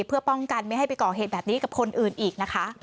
เพื่อป้องกันไม่ให้ไปก่อเหตุแบบนี้กับคนอื่นอีกนะคะ